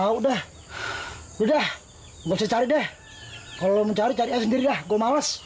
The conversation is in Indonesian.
udah gue mesti cari deh kalau lo mau cari cari aja sendiri lah gue males